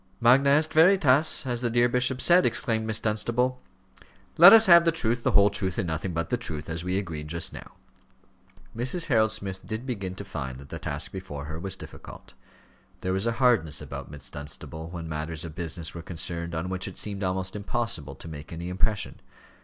"Magna est veritas, as the dear bishop said," exclaimed Miss Dunstable. "Let us have the truth, the whole truth, and nothing but the truth, as we agreed just now." Mrs. Harold Smith did begin to find that the task before her was difficult. There was a hardness about Miss Dunstable when matters of business were concerned on which it seemed almost impossible to make any impression.